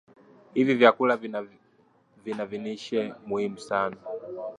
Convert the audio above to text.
hivi vyakula vina viinilishe muhimu sana